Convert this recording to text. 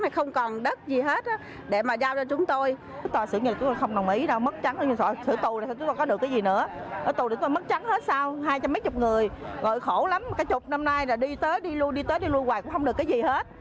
không được cái gì hết